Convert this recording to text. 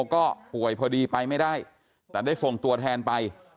ก็ป่วยพอดีไปไม่ได้แต่ได้ส่งตัวแทนไป